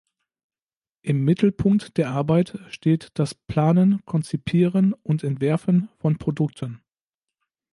Im Mittelpunkt der Arbeit steht das Planen, Konzipieren und Entwerfen von Produkten.